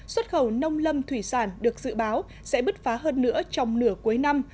xuất khẩu nông lâm thủy sản được dự báo sẽ bứt phá hơn nữa trong nửa cuối năm